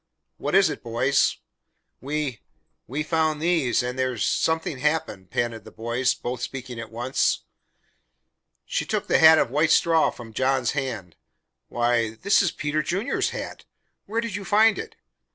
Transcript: "What is it, boys?" "We we found these and there's something happened," panted the boys, both speaking at once. She took the hat of white straw from John's hand. "Why! This is Peter Junior's hat! Where did you find it?"